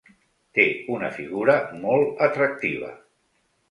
Té una figura molt atractiva.